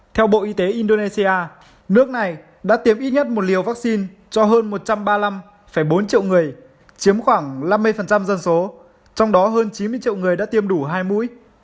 theo bộ y tế indonesia nước này đã tiêm ít nhất một liều vaccine cho hơn một trăm ba mươi năm bốn triệu người chiếm khoảng năm mươi dân số trong đó hơn chín mươi triệu người đã tiêm đủ hai mũi